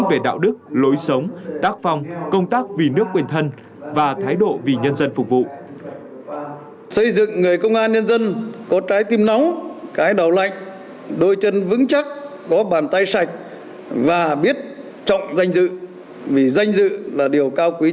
về đạo đức lối sống tác phong công tác vì nước quyền thân và thái độ vì nhân dân phục vụ